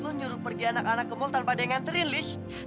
lu nyuruh pergi anak anak ke mall tanpa ada yang ngantri list